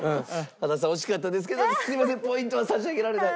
羽田さん惜しかったですけどすいませんポイントは差し上げられない。